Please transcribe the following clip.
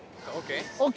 ＯＫ。